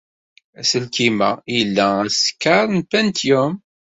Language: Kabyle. Aselkim-a ila asekkar n Pentium.